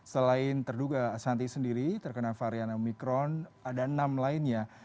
selain terduga ashanti sendiri terkena varian omikron ada enam lainnya